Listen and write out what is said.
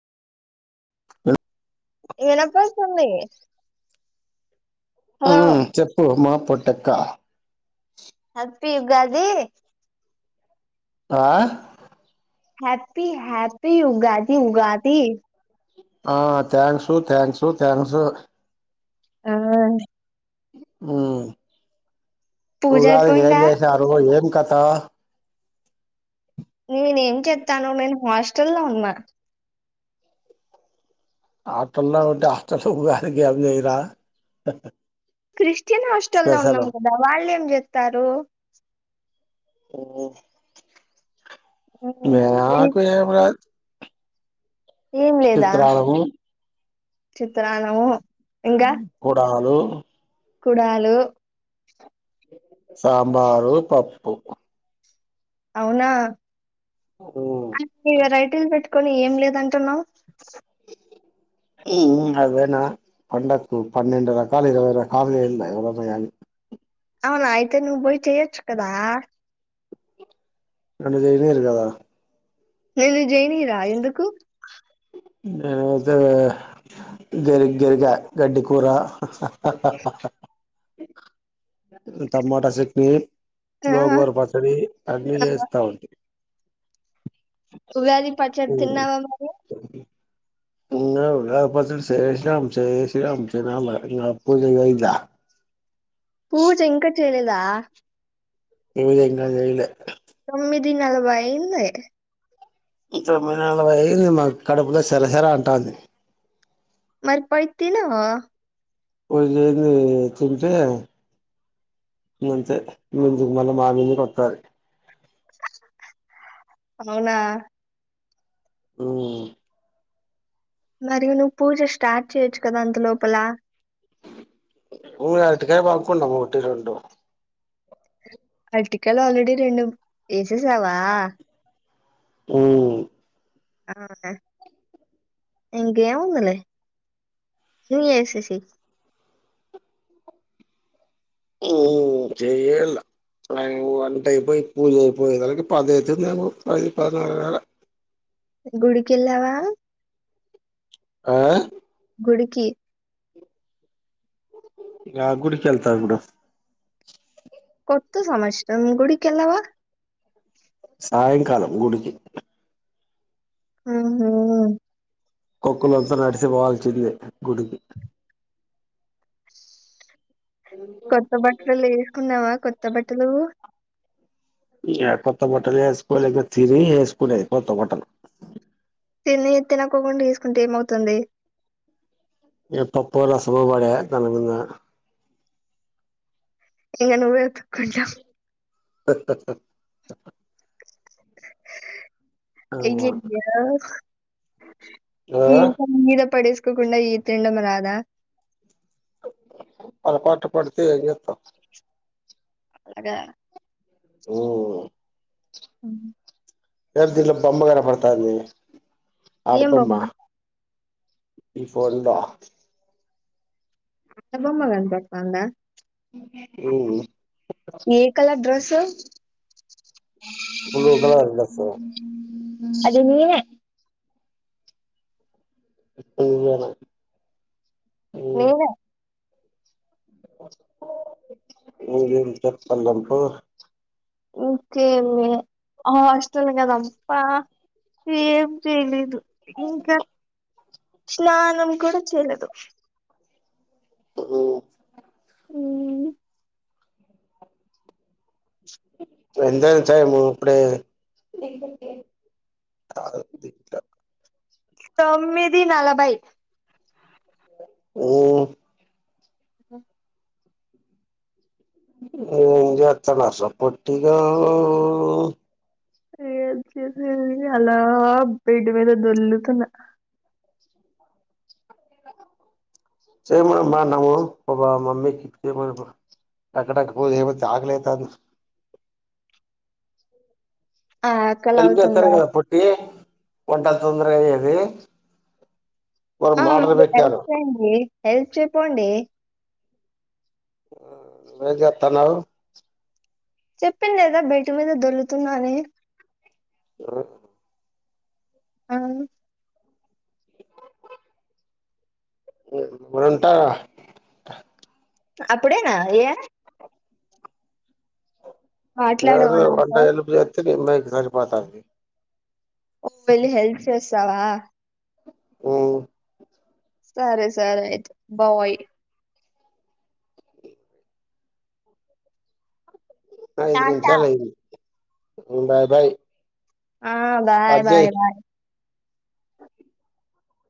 వినపడుతుంది ఆ హలో హ చెప్పు మా పొటక్క హప్పి యుగాది ఆ హ్యాపీ హ్యాపీ ఉగాది ఉగాది ఆ థ్యాంక్సు థ్యాంక్సు థ్యాంక్స్ ఆ పూజ ఉగాదికి ఏం అయిపోయిందా చేసా ఆ రజు ఏం కత నేనే ఏం చెస్తాను మేను హాస్టల్ లో ఉన్నామా హాస్టల్లో ఉంటే హాస్టల్ లో ఉగాది చేయరా క్రిస్టియన్ హాస్టల్ల్లో స్పెషల్ ఉన్నాం కదా వాళ్ళు ఏం చెతారు మకు ఏం లేదా చిత్రాన్నము చిత్రాన్నము ఇంకా కూడా హాలు కుడాలు సాంబారు పప్పు అవునా ఉమ్ వెరైటీస్ పెట్ కొని ఏం లేదంటున్నావు అదేనా పండకు పన్నెండ రకాలు ఇరవై రకాాలలుందా ఎవ మాలి అవునా అయితే నువ్వు పోయి చెయొచ్చు కదా నన్ను జైనీరు కదా నేను జయిన్రా ఎందుకు ఏతే గరి గరిగా గడ్డి కూరా టమాటా చట్ని ఆ గోంగూర పచ్చడి అన్నిీ చేస్తా ఉంటాయి ఉ వేది పచడి ఉమ్ తిన్నావా మ ఉగాది పచ్చడి చేసినాం చేసినాం శ్రీరామనవమి పూజ అయిందా పూజ ఇంకా చేయలేదా పూజ ఇంకా జయలే తొమ్మిది నలభై అయింది తొమ్మిది నెలబై అయింది మాకు కడుపులో సరసరా అంటుంది మరి పైతినా పూజ లేదు ఏం లేదు తింటే నుంచిే ముందుుకు మళ్ళీ మామిని కొ వస్తారు అవునా అ మరియు నువ్వు పూజ స్టార్ట్ చేయొచ్చు కదా అంత లోపల ఉ అర్టీకాయ బాగుకుంమ్ ఒటి రెండు అర్టికయలు ఆల్రెడీ రెండు వేసేసావా హుమ్ ఆహ ఎకేవుందిలే సిం చెసేసై హు జెఏళ్ళ వంట అయిపోయి పూజ అయిపోయియే దాలకి పదైతుందేమొ పది పదన్నర గుడికిెళ్లావా ఆ గుడికి యా గుడికిెళ్తావ్ ఇప్పుడు కొత్త సంవత్సరం గుడికిెల్లవా సయంకాలం గుడికి హుమ్ కుక్కలాస్తే నడిచి పోవాల్సిందే గుడికి కొత్త బట్టలేసుకున్నావా కొత్త బట్టలు యా కొత్త బట్టలేసుకోిలేదు తిని వేసుకునేది కొత్త బట్టలు తిని తినక్కోకుండా ఎసుకుంటే ఏమవుతుంది ఇగ పప్పు రసము పాడే తనకుంన్న ఇంగ నువ్వే ఉత్తుకుంటావ్ ఏగ ఆ ఇంకా మీద పడేసుకోకుండా ఈ తిండం రాదా పోరాపాటున పడుతే ఎం చెత్తమ్ అలాగా హుమ్ అ ఎ దింట్లో బొమ్మగన పడుతాంది ఏం బోమ్మ ని ఫోందా అ బొమ్మ కనుపడుతందా హుమ్ చె ఉ కల ద స అది నేనే నువ్వేనా నినే నేను ఏం చెప్పాలబ్బో ఇంకేంది ఆ హాస్టల్ కదా అం పా ఏం చేయలేదు ఇంక స్నానం కూడా చేయలేదు హుమ్ ఎంత అయింది టైము ఇప్పుడే కదూ తింటా తొమ్మిది నలబై హుమ్ ఏం జెత్తనస పొట్టిగా ఏం చేసేది అలా బెడ్ మీద దొల్లుతున్న చేయమను మా అన్నము పోపా మీ మమ్మీకి చేయమనుపో టకటక బు తే పోతే ఆకలైతాంది ఆకలి హెల్ప్ చెత్తరు అవుతుందా కదా పొట్టీ వంటలు తొందర అయ్యేది వాళ్ళు ఆ మాటలు హెల్ప్ పెట్టారు చేయండి హెల్ప్ చెయిపోండి ఆ నువ్ ఏం జేత్తానావు చెప్పిన్న లేదా బెడ్ మీద దొల్లుతున్నా అని అ ఆ ఉ వంట అప్పుడేనా యే ఏదో మాట్లాడవా వంట నాతో హెల్పూ చేత్తే నిమ్మాకి సరిపోతాది ఓ వెళ్ళి హెల్ప్ చేసావా ఉ సరే సరే అయితే బాయ్ ఐదు టాటా నిమిషాలు అయింది ఉండా బాయ్ ఆ బాయ్ కట్ జేయ్ బాయ్ బాయ్